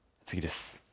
次です。